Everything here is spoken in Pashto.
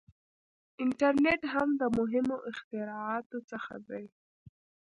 • انټرنېټ هم د مهمو اختراعاتو څخه دی.